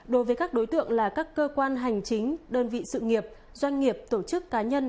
đối với các đối tượng là các cơ quan hành chính đơn vị sự nghiệp doanh nghiệp tổ chức cá nhân